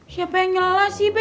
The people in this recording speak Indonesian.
siapa yang nyelala sih be